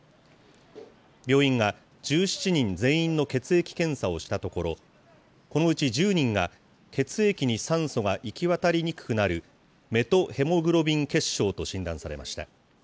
病院が１７人全員の血液検査をしたところ、このうち１０人が血液に酸素が行き渡りにくくなるメトヘモグロビン血症と診断されました。